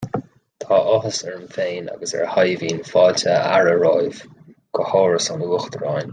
Tá áthas orm féin agus ar Saidhbhín fáilte a fhearadh romhaibh go hÁras an Uachtaráin